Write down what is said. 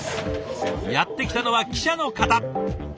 やって来たのは記者の方。